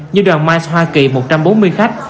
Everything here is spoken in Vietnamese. như đoàn mice hoa kỳ một trăm bốn mươi khách